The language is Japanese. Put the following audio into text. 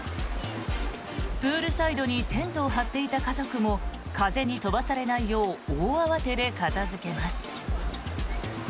プールサイドにテントを張っていた家族も風に飛ばされないよう大慌てで片付けます。